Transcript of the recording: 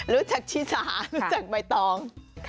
รู้จักชิสารู้จักใบตอง